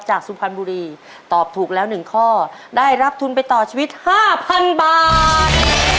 จากสุพรรณบุรีตอบถูกแล้วหนึ่งข้อได้รับทุนไปต่อชีวิตห้าพันบาท